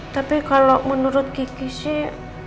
tapi kalau menurut kiki sih